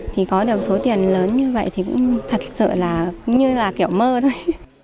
thì có được số tiền lớn như vậy thì cũng thật sự là kiểu mơ thôi